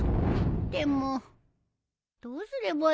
でもどうすればいいかな。